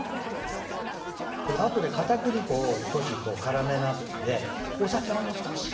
あとで、かたくり粉を少し煮からめますのでお酒をほんの少し。